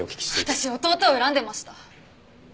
私弟を恨んでました。